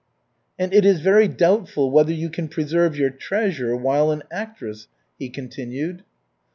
"And it is very doubtful whether you can preserve your treasure while an actress," he continued.